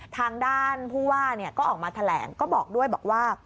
ทางด้านผู้ว่าก็ออกมาแถลงก็บอกด้วยบอกว่า